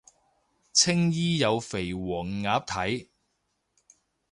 青衣有肥黃鴨睇